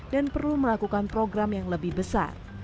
dan perlu melakukan program yang lebih besar